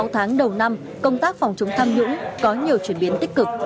sáu tháng đầu năm công tác phòng chống tham nhũng có nhiều chuyển biến tích cực